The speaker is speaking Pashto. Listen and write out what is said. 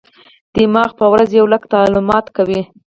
دماغ په ورځ یو لک تعاملات کوي.